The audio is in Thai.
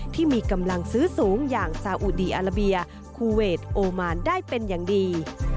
ที่มีกำลังซื้อสูงอย่างซาอุดีอาราเบียคูเวทโอมานได้เป็นอย่างดี